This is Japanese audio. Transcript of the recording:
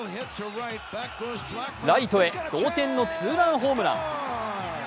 ライトへ同点のツーランホームラン。